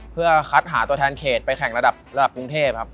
เพื่อคัดหาตัวแทนเขตไปแข่งระดับกรุงเทพครับ